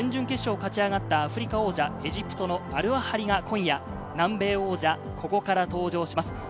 画面の上、準々決勝を勝ち上がったアフリカ王者、エジプトのアルアハリが今夜、南米王者、ここから登場します